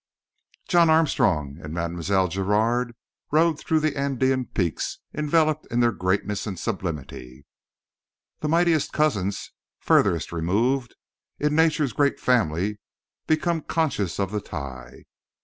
John Armstrong and Mlle. Giraud rode among the Andean peaks, enveloped in their greatness and sublimity. The mightiest cousins, furthest removed, in nature's great family become conscious of the tie.